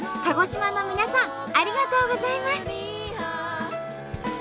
鹿児島の皆さんありがとうございます！